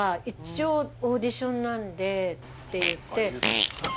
一応オーディションなんでって言って。